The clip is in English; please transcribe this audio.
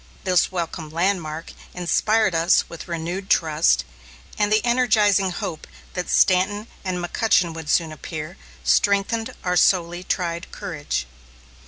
This welcome landmark inspired us with renewed trust; and the energizing hope that Stanton and McCutchen would soon appear, strengthened our sorely tried courage.